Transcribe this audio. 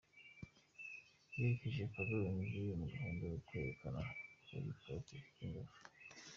Yerekeje Karongi ngo gahunda ni ukwerekana ko Hip Hop ifite ingufu.